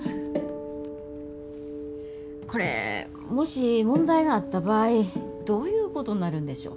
これもし問題があった場合どういうことになるんでしょう？